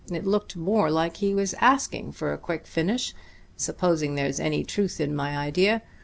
It looked more like he was asking for a quick finish supposing there's any truth in my idea.